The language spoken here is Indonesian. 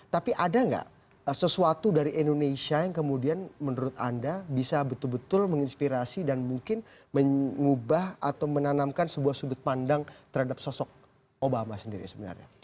tapi ada nggak sesuatu dari indonesia yang kemudian menurut anda bisa betul betul menginspirasi dan mungkin mengubah atau menanamkan sebuah sudut pandang terhadap sosok obama sendiri sebenarnya